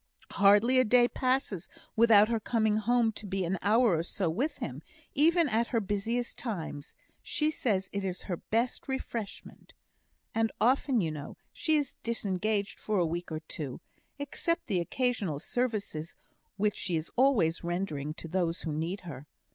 "Hardly a day passes without her coming home to be an hour or so with him, even at her busiest times; she says it is her best refreshment. And often, you know, she is disengaged for a week or two, except the occasional services which she is always rendering to those who need her.